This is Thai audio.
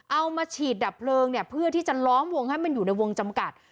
เอามาฉีดดับเพลิงเนี่ยเพื่อที่จะล้อมวงให้มันอยู่ในวงจำกัด